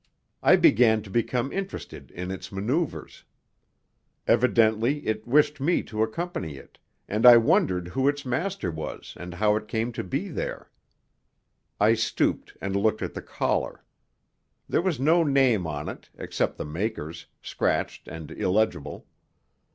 I began to become interested in its manoeuvres. Evidently it wished me to accompany it, and I wondered who its master was and how it came to be there. I stooped and looked at the collar. There was no name on it, except the maker's, scratched and illegible.